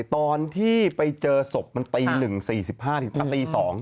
ตอนที่ไปเจอศพมันตี๑๔๕ตี๒